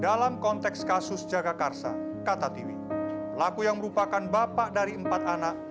dalam konteks kasus jagakarsa kata tiwi pelaku yang merupakan bapak dari empat anak